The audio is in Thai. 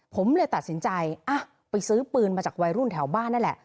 ผมเลยตัดสินใจไปซื้อปืนมาจากวัยรุ่นแถวบ้านนั่นแหละ